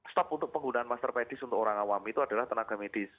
stop untuk penggunaan masker medis untuk orang awam itu adalah tenaga medis